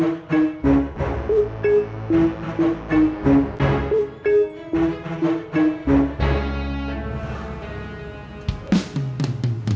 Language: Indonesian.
ada apa sih